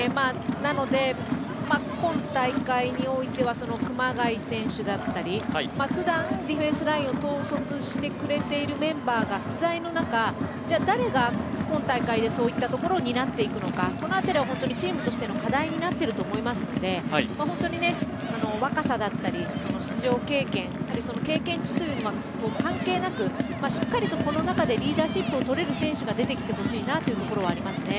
なので今大会においては熊谷選手だったり普段ディフェンスラインを統率してくれているメンバーが不在の中、誰が今大会でそういったところを担っていくのか、このあたりを本当にチームとしての課題になっていると思いますので本当に若さだったり出場経験経験値という、関係なくしっかりと、この中でリーダーシップを取れる選手が出てきてほしいなというところはありますよね。